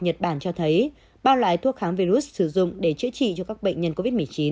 những nhà khoa học nhật bản cho thấy ba loại thuốc kháng virus sử dụng để chữa trị cho các bệnh nhân covid một mươi chín